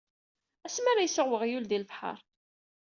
Asmi ara isuɣ uɣyul di lebḥer.